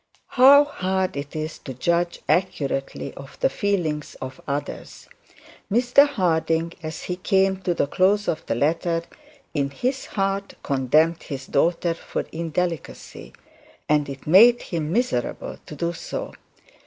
How hard it is to judge accurately of the feelings of others. Mr Harding, as he came to close the letter, in his heart condemned his daughter for indelicacy, and it made him miserable to do so.